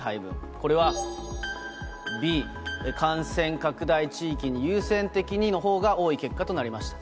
これは、Ｂ、感染拡大地域に優先的にのほうが多い結果となりました。